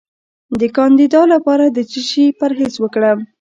د کاندیدا لپاره د څه شي پرهیز وکړم؟